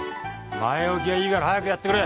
前置きはいいから早くやってくれ。